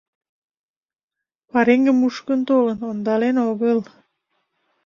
— Пареҥгым мушкын толын, ондален огыл...